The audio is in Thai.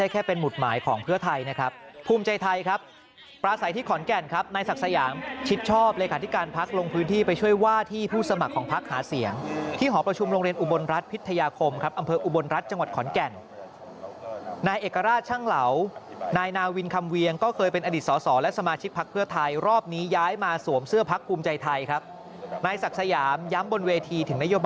ก็ถือกว่ามีกำลังใจและก็ใกล้ความเป็นจริง